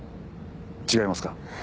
違いますか？